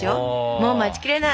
もう待ちきれない！